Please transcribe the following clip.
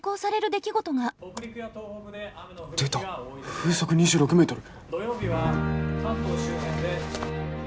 出た風速２６メートル。